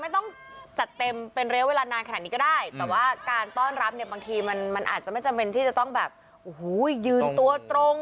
แต่ว่าการต้อนรับเนี่ยบางทีมันอาจจะไม่จำเป็นที่จะต้องแบบโอ้โหยืนตัวตรง